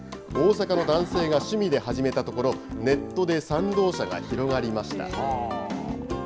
大阪の男性が趣味で始めたところ、ネットで賛同者が広がりました。